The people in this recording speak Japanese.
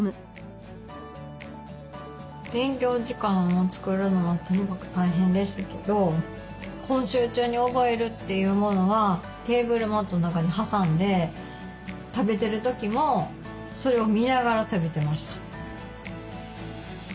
勉強時間を作るのはとにかく大変でしたけど今週中に覚えるというものはテーブルマットの中に挟んで食べてる時もそれを見ながら食べてました。